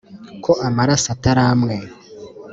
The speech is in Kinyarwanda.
ko amaraso atari amwe